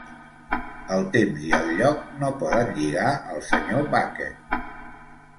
El temps i el lloc no poden lligar el Sr. Bucket.